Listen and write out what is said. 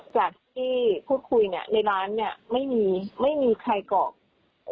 จากที่พูดคุยในร้านไม่มีไม่มีใครเกาะ